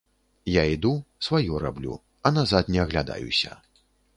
Я іду, сваё раблю, а назад не аглядаюся.